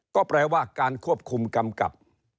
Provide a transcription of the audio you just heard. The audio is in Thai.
ก็แปลว่าการควบคุมกำกับ